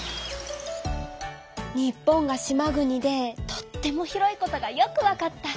日本が島国でとっても広いことがよくわかった。